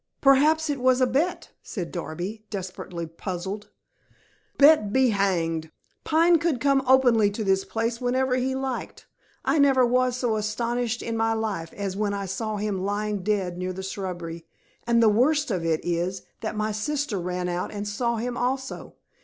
"Perhaps it was a bet," said Darby, desperately puzzled. "Bet, be hanged! Pine could come openly to this place whenever he liked. I never was so astonished in my life as when I saw him lying dead near the shrubbery. And the worst of it is, that my sister ran out and saw him also.